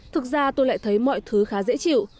thực ra tôi lại thấy mọi thứ khá dễ chịu